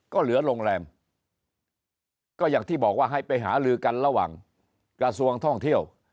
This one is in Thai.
ก็เหลือโรงแรมก็อย่างที่บอกว่าให้ไปหาลือกันระหว่างกระทรวงท่องเที่ยว